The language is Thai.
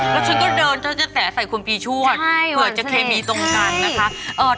ละคุณก็เดินและแสดงใส่คนปีชวดเผื่อจะเคมีตรงกัน